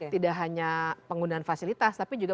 tidak hanya penggunaan fasilitas tapi juga